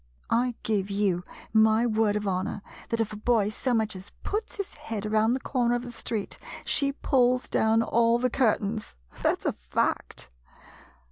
I give you my word of honor that if a boy so much as puts his head around the corner of the street, she pulls down all the curtains. That 's a fact.